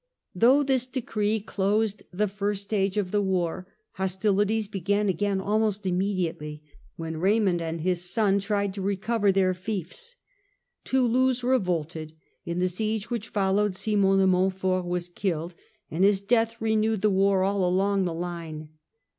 Though this decree closed the first stage of the war, hostilities began again almost immediately, when Raymond and his son tried to recover their fiefs. Toulouse revolted; in the siege which followed Simon de Montfort was killed, and his death renewed the war all along the line.